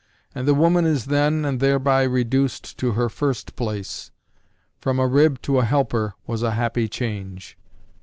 And the woman is then and thereby reduced to her first place.... From a rib to a helper was a happy change.